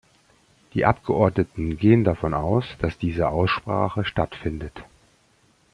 Die Abgeordneten gehen davon aus, dass diese Aussprache stattfindet.